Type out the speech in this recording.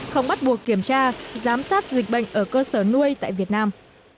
không bắt buộc kiểm tra giám sát dịch bệnh ở cơ sở nuôi tại việt nam